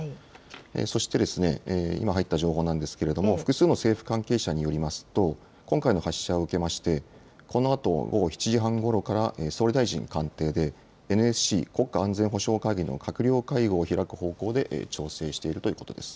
そして今入った情報なんですけれども複数の政府関係者によりますと今回の発射を受けまして、このあと午後７時半ごろから総理総理大臣官邸でＮＳＣ・国家安全保障会議の閣僚会合を開く方向で調整しているということです。